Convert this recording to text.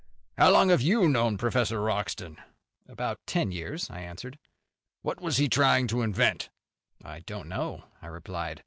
"How long have you known Professor Wroxton?" "About ten years," I answered. "What was he trying to invent?" "I don't know," I replied.